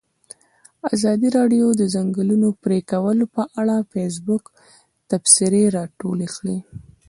ازادي راډیو د د ځنګلونو پرېکول په اړه د فیسبوک تبصرې راټولې کړي.